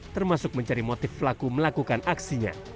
termasuk mencari motif pelaku melakukan aksinya